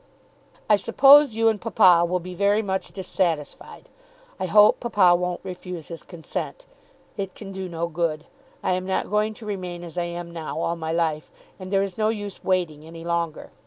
I suppose you and papa will be very much dissatisfied. I hope papa won't refuse his consent. It can do no good. I am not going to remain as I am now all my life, and there is no use waiting any longer.